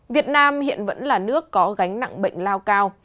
việt nam hiện vẫn là nước có gánh nặng bệnh lao cao